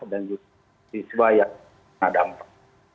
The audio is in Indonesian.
dan juga di suai yang tidak dampak